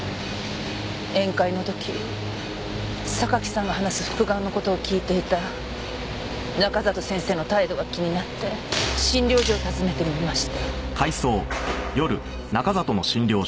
宴会の時榊さんが話す復顔の事を聞いていた中里先生の態度が気になって診療所を訪ねてみました。